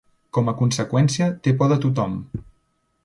Com a conseqüència té por de tothom.